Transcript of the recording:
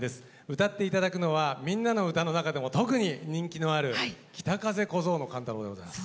歌って頂くのは「みんなのうた」の中でも特に人気のある「北風小僧の寒太郎」でございます。